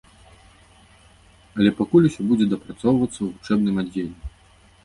Але пакуль усё будзе дапрацоўвацца ў вучэбным аддзеле.